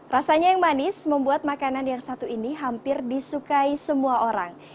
rasanya yang manis membuat makanan yang satu ini hampir disukai semua orang